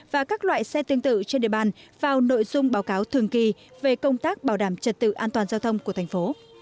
và các loại xe tương tự trên địa bàn vào nội dung báo cáo thường kỳ về công tác bảo đảm trật tự an toàn giao thông của thành phố